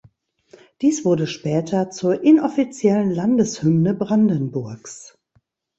Dies wurde später zur inoffiziellen Landeshymne Brandenburgs.